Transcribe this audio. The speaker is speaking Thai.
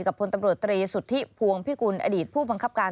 พลตำรวจตรีสุทธิพวงพิกุลอดีตผู้บังคับการ